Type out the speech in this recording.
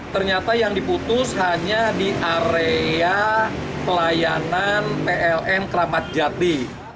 ternyata yang diputus hanya di area pelayanan pln kramajati